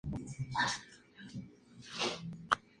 El cráter St.